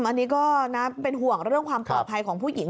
อันนี้ก็น่าเป็นห่วงเรื่องความปลอดภัยของผู้หญิง